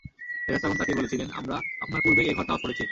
ফেরেশতাগণ তাঁকে বলেছিলেন, আমরা আপনার পূর্বেই এ ঘর তওয়াফ করেছি।